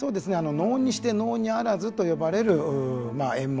「能にして能にあらず」と呼ばれる演目。